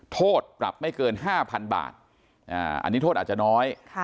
โทษปรับไม่เกิน๕๐๐๐บาทอันนี้โทษอาจจะน้อย